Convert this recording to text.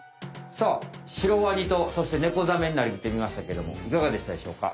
さあシロワニとそしてネコザメになりきってみましたけどもいかがでしたでしょうか？